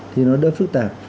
thì nó đỡ phức tạp